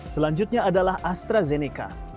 selanjutnya adalah astrazeneca